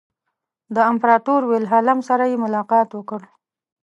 د امپراطور ویلهلم سره یې ملاقات وکړ.